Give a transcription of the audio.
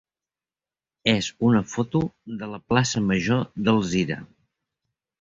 és una foto de la plaça major d'Alzira.